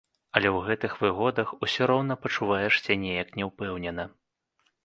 Але ў гэтых выгодах усё роўна пачуваешся неяк няўпэўнена.